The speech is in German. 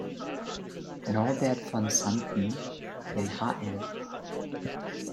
Norbert von Xanten, den Hl.